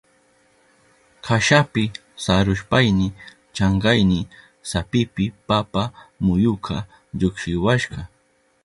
Kashapi sarushpayni chankayni sapipi papa muyuka llukshiwashka.